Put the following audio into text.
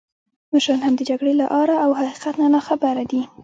مشران هم د جګړې له آره او حقیقت نه ناخبره دي.